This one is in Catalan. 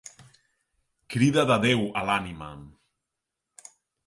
Crida de Déu a l'ànima.